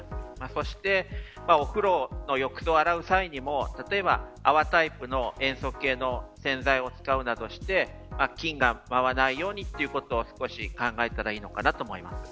そしてお風呂の浴槽を洗う際にも例えば泡タイプの塩素系の洗剤を使うなどして菌が舞わないようにということを少し考えたらいいのかな